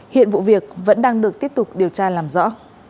hiện vụ việc vẫn đang được tiếp tục điều tra làm rõ